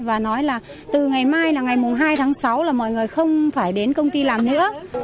và nói là từ ngày mai là ngày hai tháng sáu là mọi người không phải đến công ty làm nữa